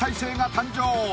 誕生！